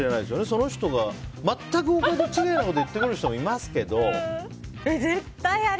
その人が全くお門違いなこと言ってる人もいますけど。